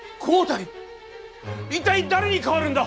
一体誰に替わるんだ？